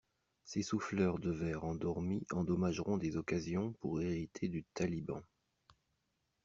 Ces souffleurs de verre endormis endommageront des occasions pour hériter du taliban.